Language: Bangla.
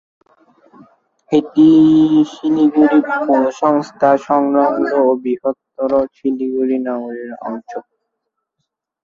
এটি শিলিগুড়ি পৌরসংস্থা সংলগ্ন ও বৃহত্তর শিলিগুড়ি নগরের অংশ।